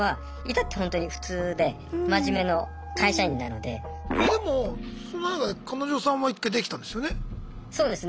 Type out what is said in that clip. えでもそんな中で彼女さんは１回できたんですよね。